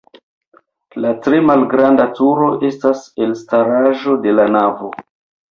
La tre malgranda turo estas elstaraĵo de la navo.